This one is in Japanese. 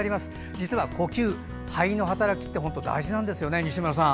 実は呼吸、肺の働きって本当に大事なんですよね西村さん。